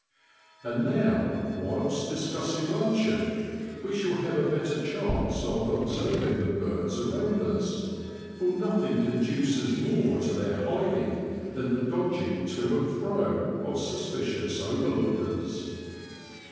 And now whilst discussing luncheon we shall have a better chance of observ ing the birds around us, for nothing conduces more to their hiding than the dodg ing to and fro of suspicious overlookers.